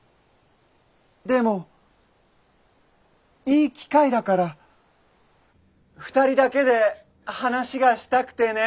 でもいい機会だから２人だけで話がしたくてね。